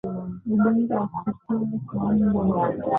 Ugonjwa wa kichaa cha mbwa